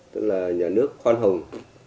tức là nhà nước khoan hồng